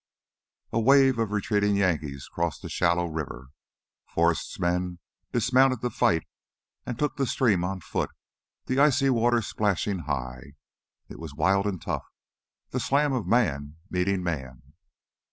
A wave of retreating Yankees crossed the shallow river. Forrest's men dismounted to fight and took the stream on foot, the icy water splashing high. It was wild and tough, the slam of man meeting man.